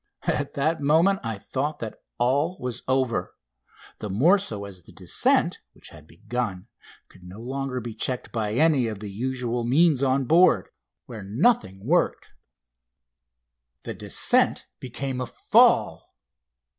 At that moment I thought that all was over, the more so as the descent, which had begun, could no longer be checked by any of the usual means on board, where nothing worked. The descent became a fall.